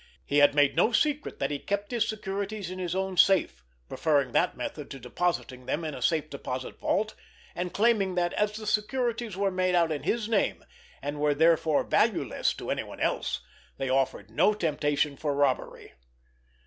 He had made no secret that he kept his securities in his own safe, preferring that method to depositing them in a safe deposit vault, and claiming that, as the securities were made out in his name and were therefore valueless to anyone else, they offered no temptation for robbery.